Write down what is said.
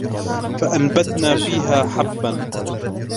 فَأَنْبَتْنَا فِيهَا حَبًّا